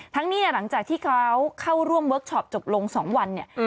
เนี่ยหลังจากที่เขาเข้าร่วมเวิร์คชอปจบลง๒วันเนี่ย